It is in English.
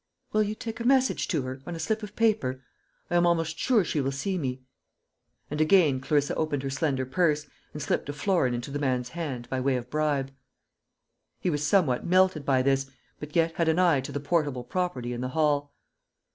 "Will you take a message to her, on a slip of paper? I am almost sure she will see me." And again Clarissa opened her slender purse, and slipped a florin into the man's hand, by way of bribe. He was somewhat melted by this, but yet had an eye to the portable property in the hall.